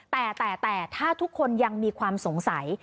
แต่แต่ถ้าทุกคนยังมีความสงสัย